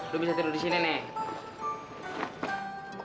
udah bisa tidur di sini nih